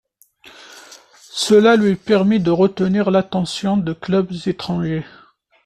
Cela lui permet de retenir l'attention de clubs étrangers.